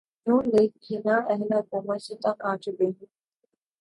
نون لیگ کی نااہل حکومت سے تنگ آچکے ہیں